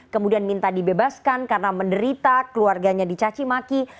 kemudian minta dibebaskan karena menderita keluarganya dicacimaki